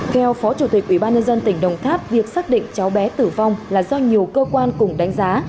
theo phó chủ tịch ubnd tỉnh đồng tháp việc xác định cháu bé tử vong là do nhiều cơ quan cùng đánh giá